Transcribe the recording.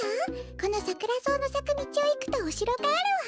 このサクラソウのさくみちをいくとおしろがあるわ。